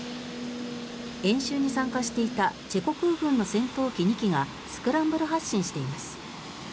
演習に参加していたチェコ空軍の戦闘機２機がスクランブル発進しています。